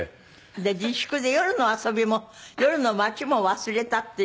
で自粛で夜の遊びも夜の街も忘れたっていう感じ。